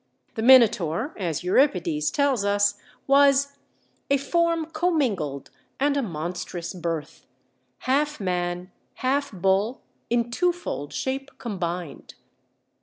The Minotaur, as Euripides tells us, was: "A form commingled, and a monstrous birth, Half man, half bull, in twofold shape combined."